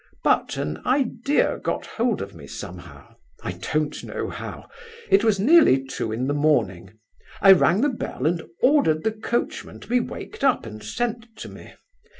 But an idea got hold of me somehow. I don't know how. It was nearly two in the morning. I rang the bell and ordered the coachman to be waked up and sent to me.